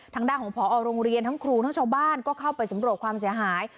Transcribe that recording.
ทางด้านของพอโรงเรียนทั้งครูทั้งชาวบ้านก็เข้าไปสำรวจความเสียหาย